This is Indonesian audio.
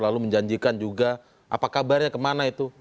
lalu menjanjikan juga apa kabarnya kemana itu